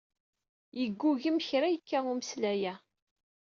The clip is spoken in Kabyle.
Yeggugem kra yekka umeslay-a.